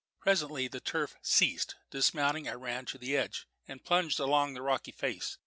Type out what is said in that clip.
Presently the turf ceased. Dismounting, I ran to the edge and plunged down the rocky face.